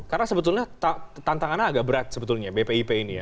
karena sebetulnya tantangannya agak berat sebetulnya bpip ini ya